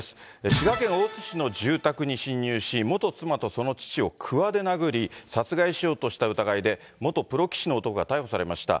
滋賀県大津市の住宅に侵入し、元妻とその父をくわで殴り、殺害しようとした疑いで、元プロ棋士の男が逮捕されました。